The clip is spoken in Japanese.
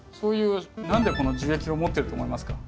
何でこの樹液を持ってると思いますか？